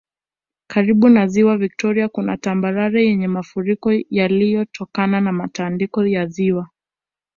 Karibu na Ziwa Viktoria kuna tambarare yenye mafuriko yaliyotokana na matandiko ya ziwa